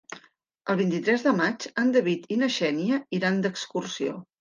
El vint-i-tres de maig en David i na Xènia iran d'excursió.